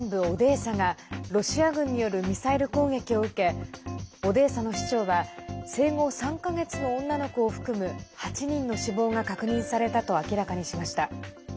ウクライナ南部オデーサがロシア軍によるミサイル攻撃を受けオデーサの市長は生後３か月の女の子を含む８人の死亡が確認されたと明らかにしました。